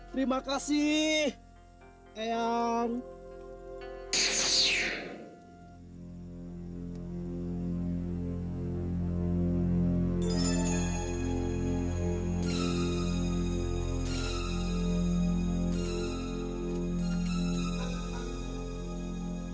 terima kasih eyang